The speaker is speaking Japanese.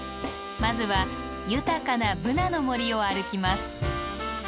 まずは豊かなブナの森を歩きます。